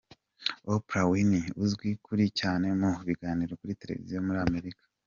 Oprah Winfrey, uzwi kuri cyane mu biganiro kuri Televiziyo muri Amerika.